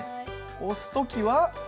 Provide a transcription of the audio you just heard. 押す時は。